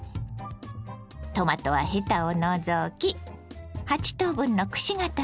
トマトはヘタを除き８等分のくし形に切ります。